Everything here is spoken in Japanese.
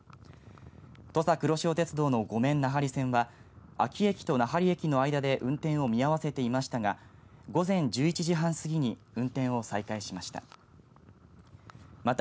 土佐くろしお鉄道のごめん・なはり線は安芸駅と奈半利駅の間で運転を見合わせていましたが午前１１時半すぎに運転を再開しました。